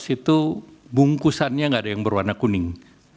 itu bungkusannya nggak ada yang berwarna kuning